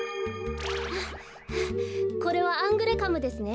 これはアングレカムですね。